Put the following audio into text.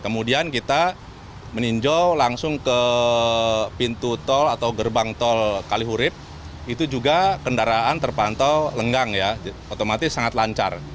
kemudian kita meninjau langsung ke pintu tol atau gerbang tol kalihurip itu juga kendaraan terpantau lenggang ya otomatis sangat lancar